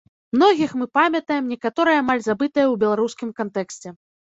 Многіх мы памятаем, некаторыя амаль забытыя ў беларускім кантэксце.